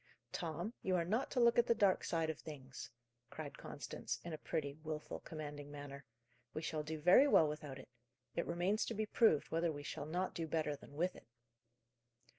"Tom, you are not to look at the dark side of things," cried Constance, in a pretty, wilful, commanding manner. "We shall do very well without it: it remains to be proved whether we shall not do better than with it."